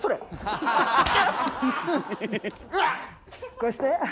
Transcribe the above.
こうして。